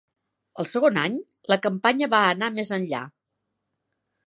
El segon any, la campanya va anar més enllà.